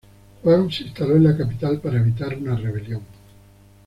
Juan se instaló en la capital para evitar una rebelión.